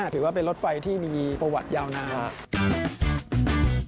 ถือว่าเป็นรถไฟที่มีประวัติยาวนาน